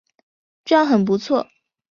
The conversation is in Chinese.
这样很不错